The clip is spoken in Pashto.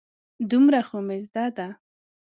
دومره خو مې زده ده.